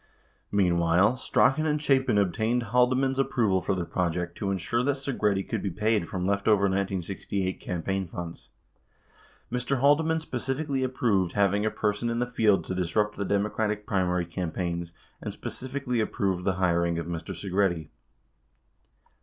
Meanwhile, Strachan and Chapin obtained Haldeman's approval for the project to insure that Segretti could be paid from leftover 1968 campaign funds. Mr. Haldeman specifically approved having a per son in the field to disrupt the Democratic primary campaigns, and specifically approved the hiring of Mr. Segretti.